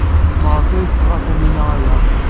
Maɣef ay d-tesɣa Taninna aya?